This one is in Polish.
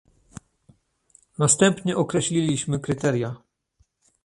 Następnie określiliśmy kryteria